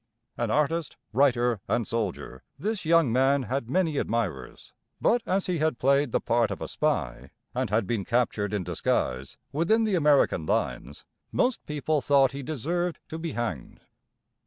An artist, writer, and soldier, this young man had many admirers; but as he had played the part of a spy, and had been captured in disguise within the American lines, most people thought he deserved to be hanged.